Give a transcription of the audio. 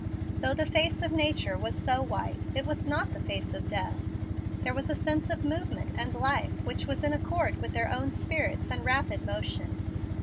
Though the face of nature was so white, it was not the face of death. There was a sense of movement and life which was in accord with their own spirits and rapid motion.